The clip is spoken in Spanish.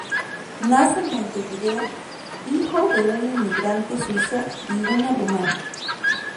Nace en Montevideo, hijo de un inmigrante suizo y una rumana.